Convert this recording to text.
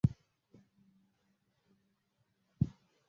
Soviet Union অন্য পাঁচটি দলের বিরুদ্ধে জয়লাভ করে।